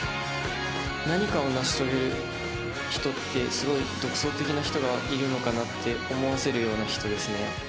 何かを成し遂げる人ってすごい独創的な人がいるのかなって思わせるような人ですね。